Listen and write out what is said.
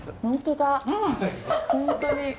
本当に。